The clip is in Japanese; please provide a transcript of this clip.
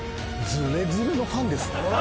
ズレズレのファンですね。